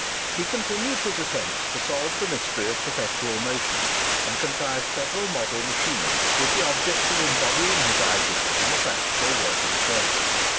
He continued his attempts to solve the mystery of Perpetual Motion, and contrived several model machines with the object of embodying his ideas in a practical working shape.